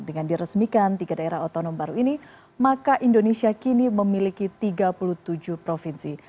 dengan diresmikan tiga daerah otonom baru ini maka indonesia kini memiliki tiga puluh tujuh provinsi